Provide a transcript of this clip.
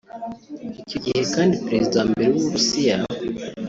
Icyo gihe kandi Perezida wa Mbere w’u Burusiya